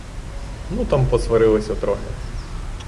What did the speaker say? Ну там посварилися трохи.